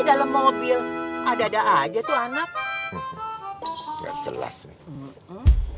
dalam mobil ada ada aja tuh anak enggak jelas sih